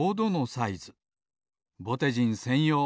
ぼてじんせんよう。